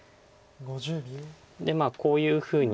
でこういうふうに。